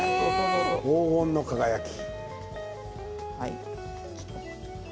黄金の輝き。